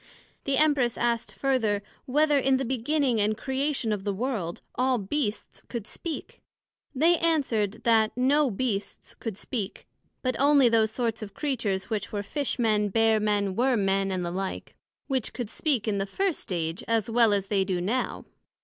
The Empress asked further, Whether in the beginning and Creation of the World, all Beasts could speak? They answered, That no Beasts could speak, but onely those sorts of Creatures which were Fish men, Bear men, Worm men, and the like, which could speak in the first Age, as well as they do now.